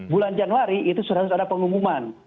bulan januari itu sudah harus ada pengumuman